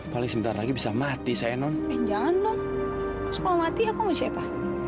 paling sebentar lagi bisa mati saya non jangan loh kalau mati aku mau siapa